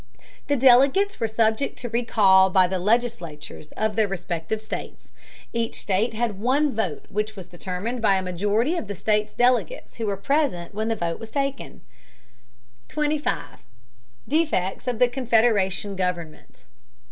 The delegates were subject to recall by the legislatures of their respective states. Each state had one vote, which was determined by a majority of the state's delegates who were present when the vote was taken. 25. DEFECTS OF THE CONFEDERATION GOVERNMENT.